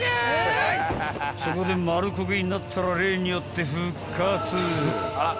［そこで丸焦げになったら例によって］